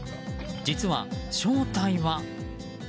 実は正体は。